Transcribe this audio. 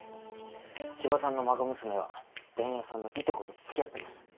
千葉さんの孫娘は伝弥さんのいとこと付き合ってます。